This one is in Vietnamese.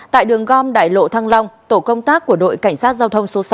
tại đường gom đại lộ thăng long tổ công tác của đội cảnh sát giao thông số sáu